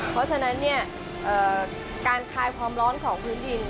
เพราะฉะนั้นการคลายความร้อนของพื้นดิน